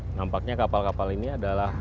nampaknya kapal kapal ini adalah